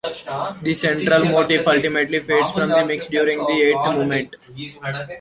The central motif ultimately fades from the mix during the eighth movement.